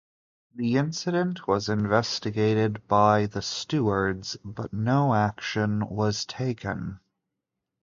The incident was investigated by the stewards, but no action was taken.